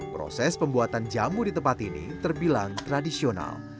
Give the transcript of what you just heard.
proses pembuatan jamu di tempat ini terbilang tradisional